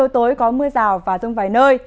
tối có mưa rào và rông vài nơi